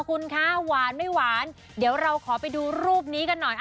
คุณคะหวานไม่หวานเดี๋ยวเราขอไปดูรูปนี้กันหน่อย